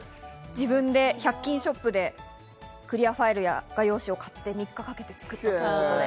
１００円ショップでクリアファイルや画用紙を買って３日かけて作ったそうです。